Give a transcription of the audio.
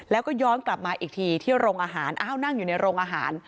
แล้วก็ย้อนกลับมาอีกทีที่โรงอาหารอ้าวนั่งอยู่ในโรงอาหาร